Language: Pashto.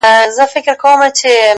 غواړم چي ديدن د ښكلو وكړمـــه،